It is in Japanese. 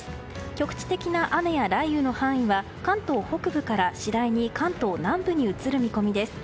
局地的な雨や雷雨の範囲は関東北部から次第に関東南部に移る見込みです。